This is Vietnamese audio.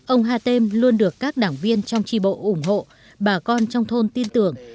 ông hatem luôn được các đảng viên trong tri bộ ủng hộ bà con trong thôn tin tưởng